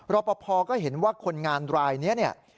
รอปภก็เห็นว่าคนงานรายนี้